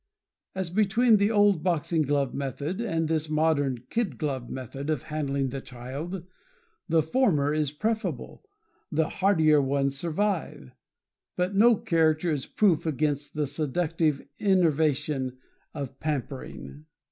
As between the old boxing glove method and this modern kid glove method of handling the child the former is preferable the hardier ones survive; but no character is proof against the seductive enervation of pampering.